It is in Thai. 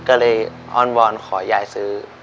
ก็เลยอ้อนวอนขอยายซื้อ